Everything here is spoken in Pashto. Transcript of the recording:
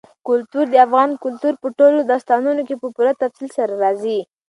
کلتور د افغان کلتور په ټولو داستانونو کې په پوره تفصیل سره راځي.